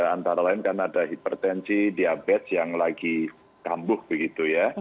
antara lain kan ada hipertensi diabetes yang lagi kambuh begitu ya